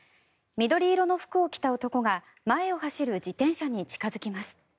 緑色の服を着た男が前を走る自転車に近付きます。